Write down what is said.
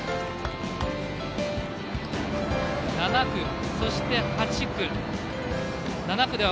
７区、そして８区。